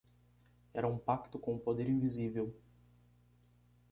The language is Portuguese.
Era um pacto com o poder invisível.